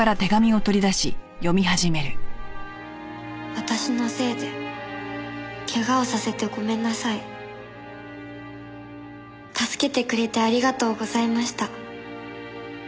「私のせいで怪我をさせてごめんなさい」「助けてくれてありがとうございました」